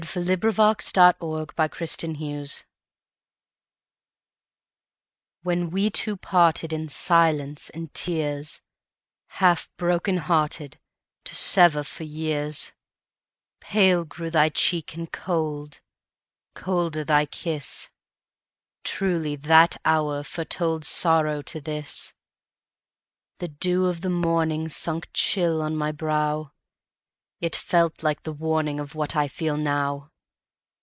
When We Two Parted WHEN we two partedIn silence and tears, Half broken hearted, To sever for years, Pale grew thy cheek and cold, Colder thy kiss; Truly that hour foretoldSorrow to this! The dew of the morningSunk chill on my brow; It felt like the warningOf what I feel now.